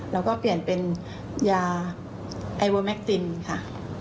แล้วก็เปลี่ยนเป็นยาไอเวอร์แมคตินค่ะ